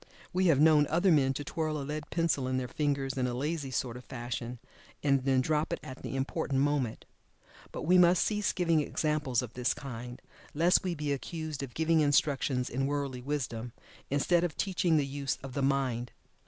We have known other men to twirl a lead pencil in their fingers in a lazy sort of fashion, and then drop it at the important moment. But we must cease giving examples of this kind, lest we be accused of giving instructions in worldly wisdom, instead of teaching the use of the mind.